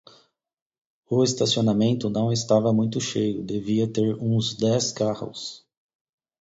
O estacionamento não estava muito cheio, devia ter uns dez carros.